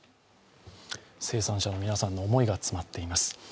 生産者の皆さんの思いが詰まっています。